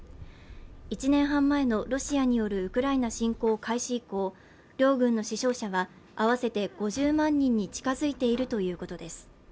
１年半前のロシアによるウクライナ侵攻開始以降両軍の死傷者は合わせて５０万人に近づいているということです